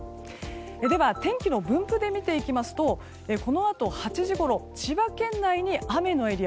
では、天気の分布で見ていきますとこのあと８時ごろ千葉県内に雨のエリア。